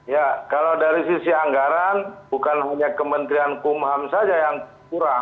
ya kalau dari sisi anggaran bukan hanya kementerian kumham saja yang kurang